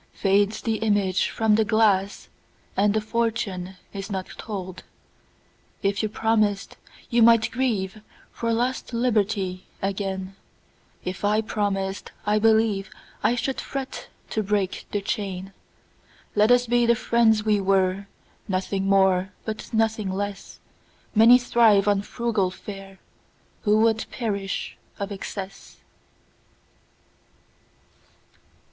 Fades the image from the glass, And the fortune is not told. If you promised, you might grieveFor lost liberty again:If I promised, I believeI should fret to break the chain. Let us be the friends we were, Nothing more but nothing less:Many thrive on frugal fareWho would perish of excess.